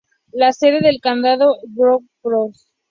La sede del condado es Broken Bow.